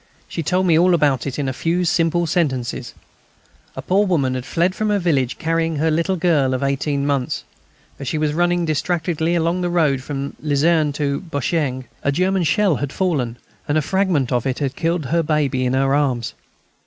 She told me all about it in a few simple sentences; a poor woman had fled from her village, carrying her little girl of eighteen months. As she was running distractedly along the road from Lizerne to Boesinghe a German shell had fallen, and a fragment of it had killed her baby in her arms.